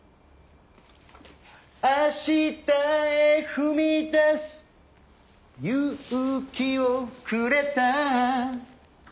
「明日へ踏み出す勇気をくれた」